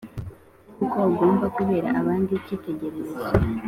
kuko ugomba kubera abandi ikitegererezo